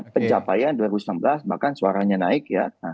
pencapaian dua ribu sembilan belas bahkan suaranya naik ya